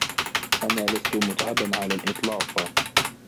أنا لست متعباً على الإطلاق.